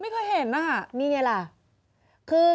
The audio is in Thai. ไม่เคยเห็นนะคะนี่ไงล่ะ